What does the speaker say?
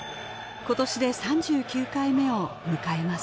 今年で３９回目を迎えます